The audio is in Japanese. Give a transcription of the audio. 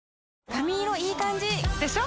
髪色いい感じ！でしょ？